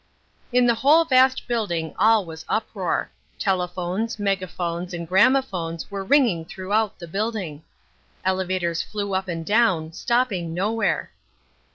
In the whole vast building all was uproar. Telephones, megaphones and gramophones were ringing throughout the building. Elevators flew up and down, stopping nowhere.